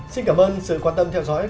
xin cảm ơn sự quan tâm theo dõi